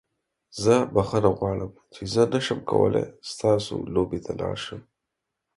زه بخښنه غواړم چې زه نشم کولی ستاسو لوبې ته لاړ شم.